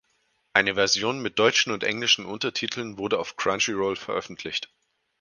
Eine Version mit deutschen und englischen Untertiteln wurde auf Crunchyroll veröffentlicht.